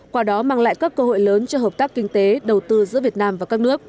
qua đó mang lại các cơ hội lớn cho hợp tác kinh tế đầu tư giữa việt nam và các nước